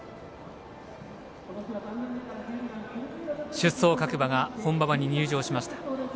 出走各馬が本馬場に入場しました。